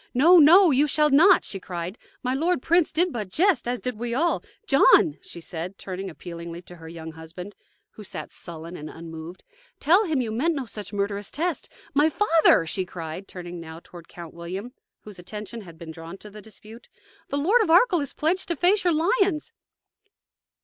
"No, no; you shall not!" she cried. "My lord prince did but jest, as did we all. John," she said, turning appealingly to her young husband, who sat sullen and unmoved, "tell him you meant no such murderous test. My father!" she cried, turning now toward Count William, whose attention had been drawn to the dispute, "the Lord of Arkell is pledged to face your lions!"